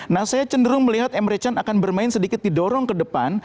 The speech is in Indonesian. nah saya cenderung melihat emre can akan bermain sedikit didorong ke depan